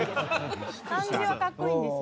漢字は格好いいんですよ。